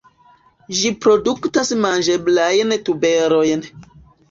Ĝi produktas manĝeblajn tuberojn.